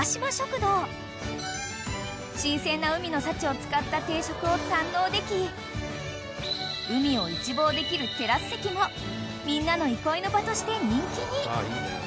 ［新鮮な海の幸を使った定食を堪能でき海を一望できるテラス席もみんなの憩いの場として人気に］